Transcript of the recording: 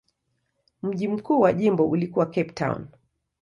Mji mkuu wa jimbo ulikuwa Cape Town.